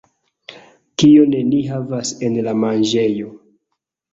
Kion ni havas en la manĝejo